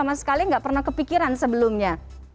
kamu sama sekali enggak pernah kepikiran sebelumnya